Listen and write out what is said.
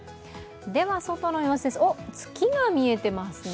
外の様子です、月が見えてますね。